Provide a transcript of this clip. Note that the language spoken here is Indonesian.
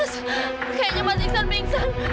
mas kayaknya mas iksan bingkai